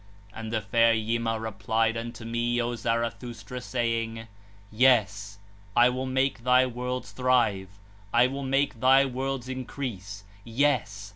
5 (14). And the fair Yima replied unto me, O Zarathustra, saying: 'Yes! I will make thy worlds thrive, I will make thy worlds increase. Yes!